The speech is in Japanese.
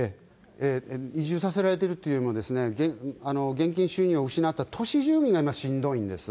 移住させられてるというよりもですね、現金収入を失った都市住民が今しんどいんです。